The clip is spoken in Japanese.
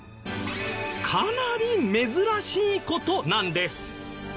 かなり珍しい事なんです。